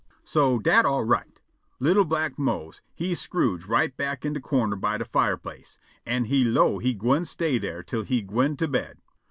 So dat all right. Li'l' black Mose he scrooge' back in de corner by de fireplace, an' he 'low' he gwine stay dere till he gwine to bed.